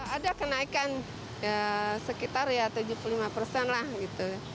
ada kenaikan sekitar ya tujuh puluh lima persen lah gitu